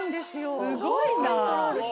すごいな。